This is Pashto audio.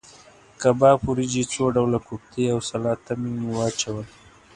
کباب، وریجې، څو ډوله کوفتې او سلاته مې واچول.